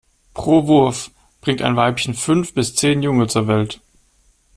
Pro Wurf bringt ein Weibchen fünf bis zehn Junge zur Welt.